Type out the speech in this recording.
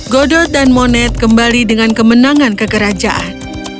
godot dan monet kembali dengan kemenangan kekerajaan